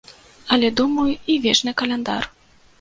Але, думаю, і вечны каляндар.